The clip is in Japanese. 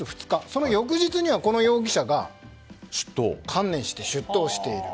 その翌日には、この容疑者が観念して出頭している。